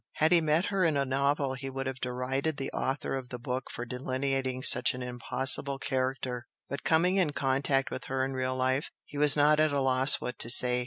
Had he met her in a novel he would have derided the author of the book for delineating such an impossible character, but coming in contact with her in real life, he was at a loss what to say.